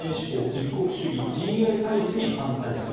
一国主義、陣営対立に反対。